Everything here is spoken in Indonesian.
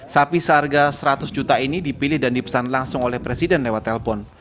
sapi seharga seratus juta ini dipilih dan dipesan langsung oleh presiden lewat telpon